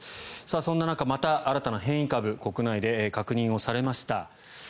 そんな中、また新たな変異株が国内で確認されました。